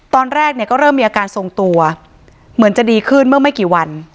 ตอนแรกเนี่ยก็เริ่มมีอาการทรงตัวเหมือนจะดีขึ้นเมื่อไม่กี่วัน